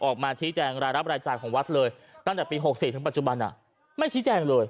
ออกมาชี้แจงรายรับรายจ่ายของวัดเลยตั้งแต่ปี๖๔ถึงปัจจุบันไม่ชี้แจงเลย